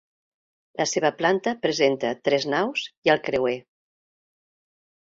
La seva planta presenta tres naus i el creuer.